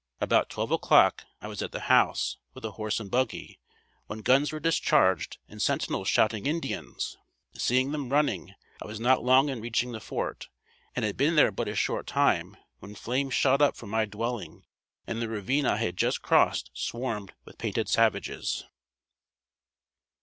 About twelve o'clock I was at the house, with a horse and buggy, when guns were discharged and sentinels shouting "Indians." Seeing them running, I was not long in reaching the fort, and had been there but a short time, when flames shot up from my dwelling and the ravine I had just crossed swarmed with painted savages.